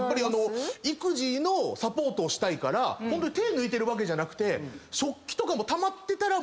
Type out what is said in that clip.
育児のサポートをしたいから手抜いてるわけじゃなくて。